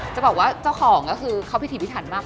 จะบอกว่าเจ้าของก็คือเข้าพิธีพิถันมาก